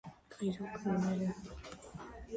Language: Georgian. სხვა ვერსიით, გამოცდას აწარმოებდა ისრაელი.